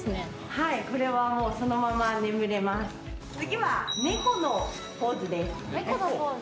はい、これはもう、そのまま眠れます。